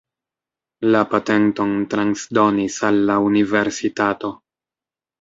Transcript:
La patenton transdonis al la universitato.